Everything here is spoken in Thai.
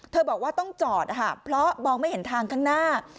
บอกว่าต้องจอดนะคะเพราะมองไม่เห็นทางข้างหน้า